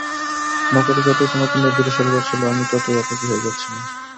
নৌকাটি যতই তোমাকে নিয়ে দূরে সরে যাচ্ছিল, আমি ততই একাকী হয়ে যাচ্ছিলাম।